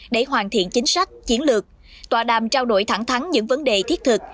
để hoàn thiện chính sách chiến lược tòa đàm trao đổi thẳng thắng những vấn đề thiết thực